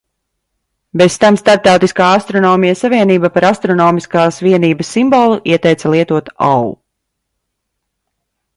"Bez tam Starptautiskā Astronomijas savienība par astronomiskās vienības simbolu ieteica lietot "au"."